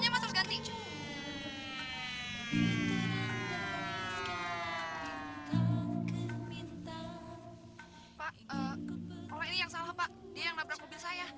pak orang ini yang salah pak dia yang lapar mobil saya